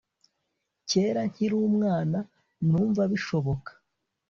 kera nkiri umwana numva bishoboka